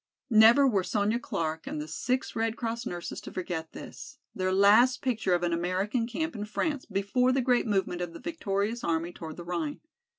Never were Sonya Clark and the six Red Cross nurses to forget this, their last picture of an American camp in France before the great movement of the victorious army toward the Rhine.